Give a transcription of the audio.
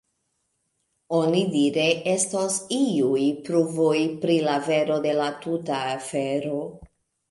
Onidire estos iuj pruvoj pri la vero de la tuta afero.